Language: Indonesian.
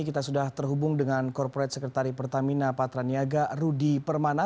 kita sudah terhubung dengan korporat sekretari pertamina patraniaga rudy permana